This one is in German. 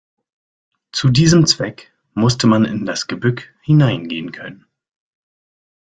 Zu diesem Zweck musste man in das Gebück hineingehen können.